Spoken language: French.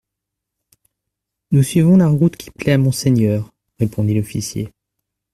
Nous suivons la route qu'il plaît à Monseigneur, répondit l'officier.